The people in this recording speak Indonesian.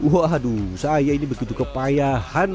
waduh saya ini begitu kepayahan